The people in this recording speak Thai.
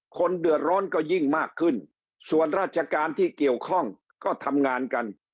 คนเดือดร้อนก็ยิ่งมากขึ้นส่วนราชการที่เกี่ยวข้องก็ทำงานกัน